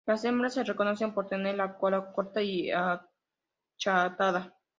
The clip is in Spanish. Las hembras se reconocen por tener la cola corta y achatada.